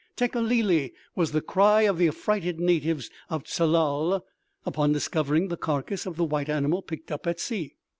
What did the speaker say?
Tekeli li! was the cry of the affrighted natives of Tsalal upon discovering the carcase of the _white_animal picked up at sea.